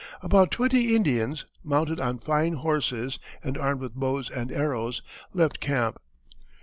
About twenty Indians, mounted on fine horses and armed with bows and arrows, left camp.